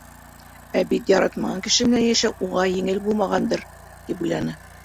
«Ә бит яратмаған кеше менән йәшәү уға еңел булмағандыр» тип уйланы.